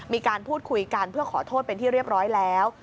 มีการพูดคุยกันเพื่อขอโทษเป็นที่เรียบร้อยแล้ว